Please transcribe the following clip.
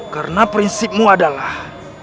karena prinsipmu adalah